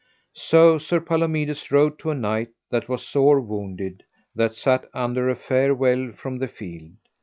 So Sir Palomides rode to a knight that was sore wounded, that sat under a fair well from the field.